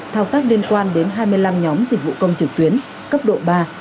thao tác liên quan đến hai mươi năm nhóm dịch vụ công trực tuyến cấp độ ba